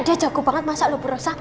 dia jago banget masak loh purosa